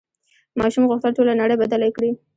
ماشوم غوښتل ټوله نړۍ بدله کړي.